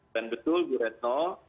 dan betul bu retno